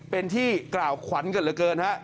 เป็นที่กล่าวขวัญกันเหลือเกินฮะ